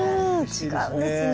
違うんですね。